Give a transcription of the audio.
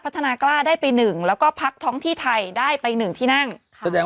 พัฒนากล้าได้ไป๑แล้วก็พักท้องที่ไทยได้ไป๑ที่นั่งแสดง